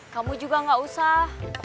kamu juga gak usah